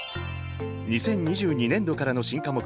２０２２年度からの新科目